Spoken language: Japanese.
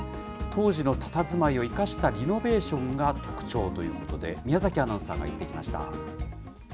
当時のたたずまいを生かしたリノベーションが特徴ということで、宮崎アナウンサーが行ってきました。